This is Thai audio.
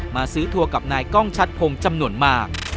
มาซื้อทัวร์กับนายกล้องชัดพงศ์จำนวนมาก